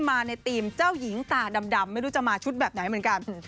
มาในธีมเจ้าหญิงตาดำไม่รู้จะมาชุดแบบไหนเหมือนกัน